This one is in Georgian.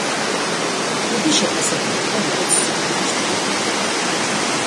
ჯგუფი შეფასებული იყო როგორც, „სიკვდილის ჯგუფი“.